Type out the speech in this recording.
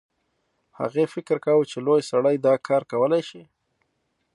هغې فکر کاوه چې لوی سړی دا کار کولی شي